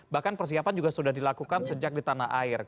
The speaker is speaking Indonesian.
bahkan persiapan juga sudah dilakukan sejak di tanah air